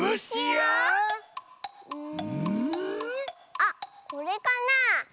あっこれかなあ？